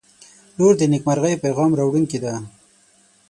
• لور د نیکمرغۍ پیغام راوړونکې ده.